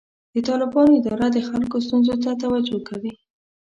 د طالبانو اداره د خلکو ستونزو ته توجه کوي.